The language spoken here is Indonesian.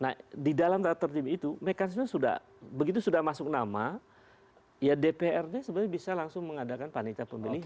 nah di dalam tata tertib itu mekanisme sudah begitu sudah masuk nama ya dprd sebenarnya bisa langsung mengadakan panitia pemilihan